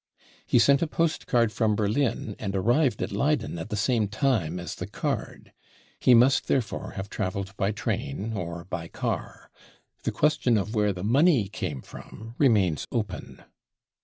He sent a postcard from Berlin, and arrived at Leyden at the same time as the card. Pie must therefore have travelled by train or by car. The question of where the money came from remains open.